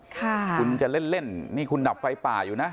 คุณจะเล่นเล่นนี่คุณดับไฟป่าอยู่นะ